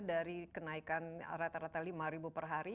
dari kenaikan rata rata lima per hari